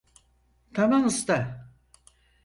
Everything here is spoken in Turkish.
Tamam usta!